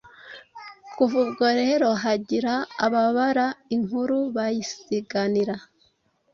Kuva ubwo rero hagira ababara inkuru bayisiganira,